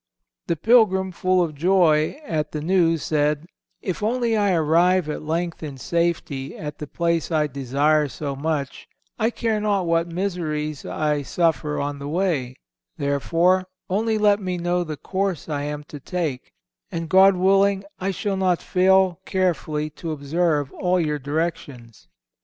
The pilgrim, full of joy at the news said, "If only I arrive at length in safety at the place I desire so much, I care not what miseries I suffer on the way; therefore, only let me know the course I am to take, and, God willing, I shall not fail carefully to observe all your directions."